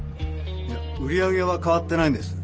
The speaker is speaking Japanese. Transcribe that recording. いや売り上げはかわってないんです。